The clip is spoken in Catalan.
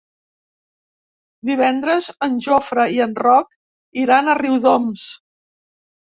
Divendres en Jofre i en Roc iran a Riudoms.